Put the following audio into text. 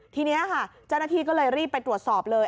ทีนี้ค่ะเจ้าหน้าที่ก็เลยรีบไปตรวจสอบเลย